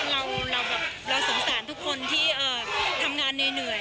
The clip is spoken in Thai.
เราสงสารทุกคนที่ทำงานเหนื่อย